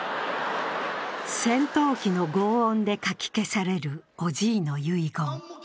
戦闘機のごう音でかき消されるおじーの遺言。